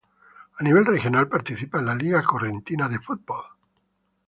A nivel regional participa en la Liga Correntina de Fútbol.